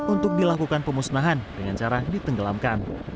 untuk dilakukan pemusnahan dengan cara ditenggelamkan